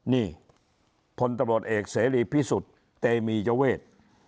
นี่พลตำรวจเอกเสรีพิสุทธิ์เตมียเวท